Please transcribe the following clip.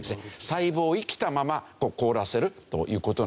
細胞を生きたまま凍らせるという事なんです。